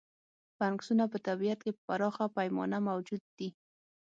فنګسونه په طبیعت کې په پراخه پیمانه موجود دي.